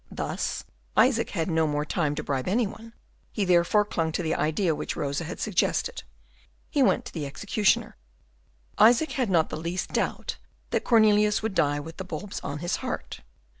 Thus Isaac had no more time to bribe any one. He therefore clung to the idea which Rosa had suggested: he went to the executioner. Isaac had not the least doubt that Cornelius would die with the bulbs on his heart.